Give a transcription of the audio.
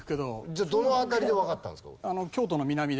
じゃあどの辺りでわかったんですか？